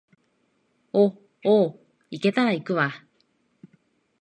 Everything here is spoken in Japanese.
お、おう、行けたら行くわ